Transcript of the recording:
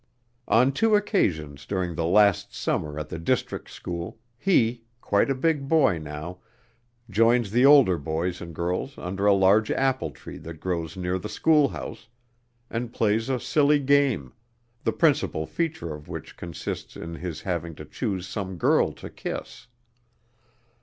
On two occasions during the last summer at the district school, he quite a big boy now joins the older boys and girls under a large apple tree that grows near the schoolhouse, and plays a silly game, the principal feature of which consists in his having to choose some girl to kiss.